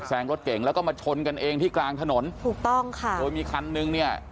งรถเก่งแล้วก็มาชนกันเองที่กลางถนนถูกต้องค่ะโดยมีคันนึงเนี่ย